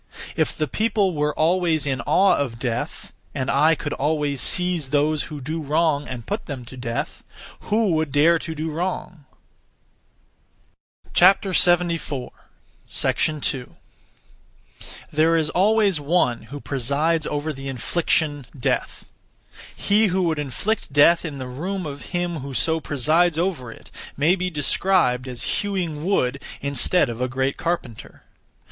If the people were always in awe of death, and I could always seize those who do wrong, and put them to death, who would dare to do wrong? 2. There is always One who presides over the infliction of death. He who would inflict death in the room of him who so presides over it may be described as hewing wood instead of a great carpenter.